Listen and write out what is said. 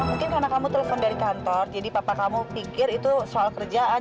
mungkin karena kamu telepon dari kantor jadi papa kamu pikir itu soal kerjaan